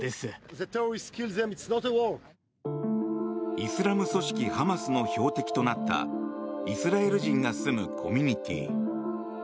イスラム組織ハマスの標的となったイスラエル人が住むコミュニティー。